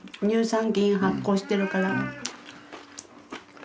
乳酸菌発酵してるから。